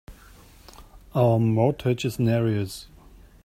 Our mortgage is in arrears.